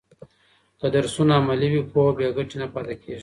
که درسونه عملي وي، پوهه بې ګټې نه پاته کېږي.